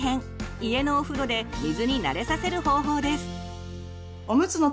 家のお風呂で水に慣れさせる方法です。